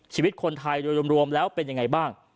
ชีวิตคนไทยโดยรวมแล้วเป็นยังไงบ้าง